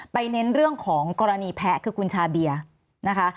เน้นเรื่องของกรณีแพ้คือคุณชาเบียนะคะ